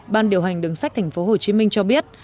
ban điều hành đường sách tp hcm cho biết